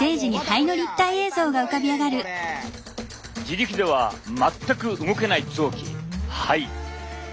自力では全く動けない臓器肺！